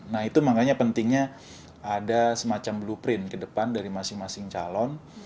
nah itu makanya pentingnya ada semacam blueprint ke depan dari masing masing calon